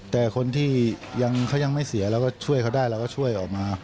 แต่คนที่เขายังไม่เสียเราก็ช่วยเขาได้เราก็ช่วยออกมา